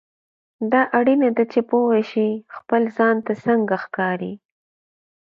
دا اړینه ده چې پوه شې خپل ځان ته څنګه ښکارې.